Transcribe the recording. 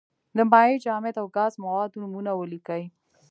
د مایع، جامد او ګاز موادو نومونه ولیکئ.